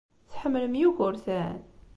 Tḥemmlem Yugurten?